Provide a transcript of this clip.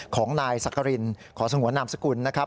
ของนายสักกรินขอสงวนนามสกุลนะครับ